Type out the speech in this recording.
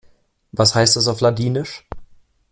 Was heißt das auf Ladinisch?